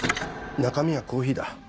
中身はコーヒーだ。